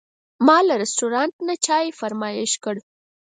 ما له رستورانت نه چای فرمایش کړ.